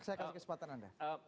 saya kasih kesempatan anda